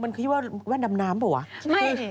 มันเขียนว่าแว่นดำน้ำปะวะ